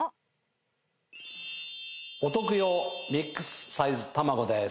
お徳用ミックスサイズたまごです。